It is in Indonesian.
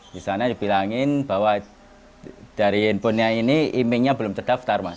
di sana dibilangin bahwa dari handphonenya ini emailnya belum terdaftar mas